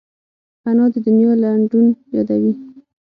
انا د دنیا لنډون یادوي